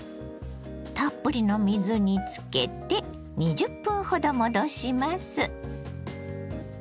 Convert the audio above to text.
たっぷりの水につけて２０分ほど戻します。